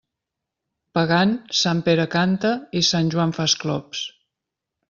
Pagant, Sant Pere canta i Sant Joan fa esclops.